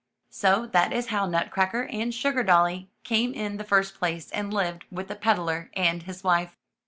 '' So that is how Nutcracker and SugardoUy came in the first place and lived with the peddler and his wife.